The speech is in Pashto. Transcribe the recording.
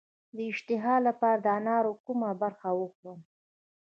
د اشتها لپاره د انار کومه برخه وخورم؟